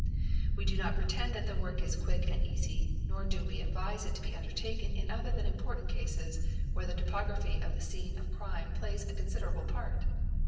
— We do not pretend that the work is quick and easy nor do we advise it to be undertaken in other than important cases where the topography of the scene of crime plays a considerable part.